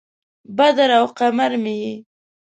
بدر او قمر مې یې